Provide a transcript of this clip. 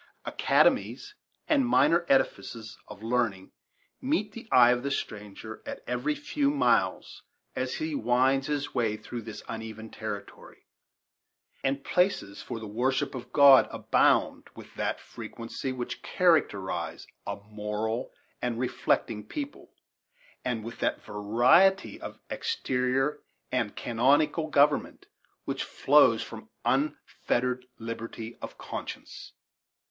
Academies and minor edifices of learning meet the eye of the stranger at every few miles as he winds his way through this uneven territory, and places for the worship of God abound with that frequency which characterize a moral and reflecting people, and with that variety of exterior and canonical government which flows from unfettered liberty of conscience.